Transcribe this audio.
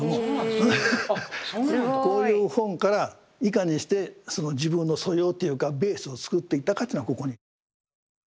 すごい！こういう本からいかにしてその自分の素養というかベースを作っていたかというのはここに。